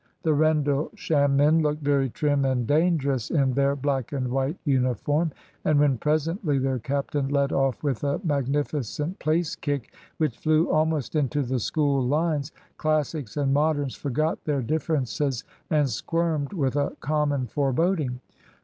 The Rendlesham men looked very trim and dangerous in their black and white uniform; and when presently their captain led off with a magnificent place kick which flew almost into the School lines, Classics and Moderns forgot their differences and squirmed with a common foreboding.